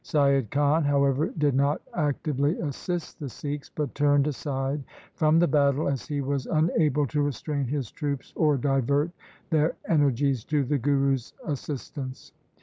Saiyad Khan, however, did not actively assist the Sikhs, but turned aside from the battle as he was unable to restrain his troops or divert their energies to the Guru's assistance.